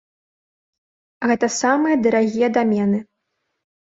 Гэта самыя дарагія дамены.